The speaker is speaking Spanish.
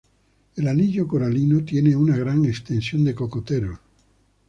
El anillo coralino tiene una gran extensión de cocoteros.